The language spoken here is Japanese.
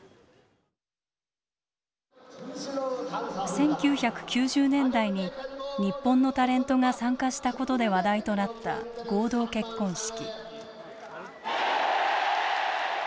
１９９０年代に日本のタレントが参加したことで話題となった合同結婚式。